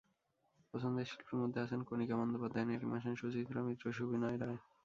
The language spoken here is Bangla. পছন্দের শিল্পীর মধ্যে আছেন কণিকা বন্দ্যোপাধ্যায়, নীলিমা সেন, সুচিত্রা মিত্র, সুবিণয় রায়।